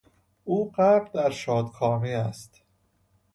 او غرق در شادکامی است.